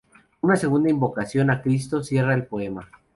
Una segunda invocación a Cristo cierra el poema.